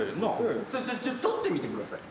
取ってみてください。